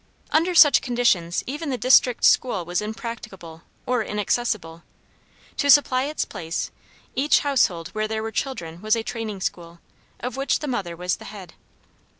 Under such conditions even the district school was impracticable or inaccessible. To supply its place, each household where there were children was a training school, of which the mother was the head.